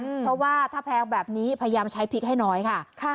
เพราะว่าถ้าแพงแบบนี้พยายามใช้พริกให้น้อยค่ะ